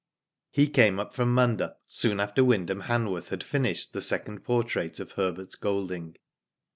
He came up from Munda soon after Wynd ham Hanworth had finished the second portrait of Herbert Golding.